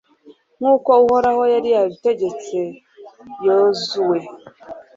nk'uko uhoraho yari yabitegetse yozuwe